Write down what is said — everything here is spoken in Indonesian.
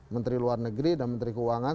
menteri luar negeri dan menteri keuangan